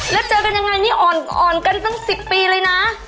แล้วเจอกันยังไงนี่อ่อนกันตั้ง๑๐ปีเลยนะ